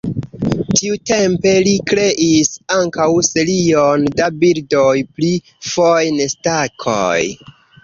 Tiutempe li kreis ankaŭ serion da bildoj pri fojn-stakoj.